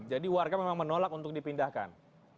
jadi warga memang menolak untuk dipindahkan